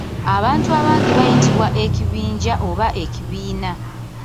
Abantu abangi bayitibwa ekibinja oba ekibiina.